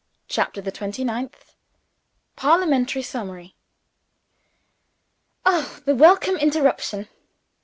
CHAPTER THE TWENTY NINTH Parliamentary Summary OH, the welcome interruption!